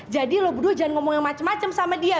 jadi lo buru jangan ngomong yang macem macem sama dia